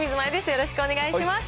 よろしくお願いします。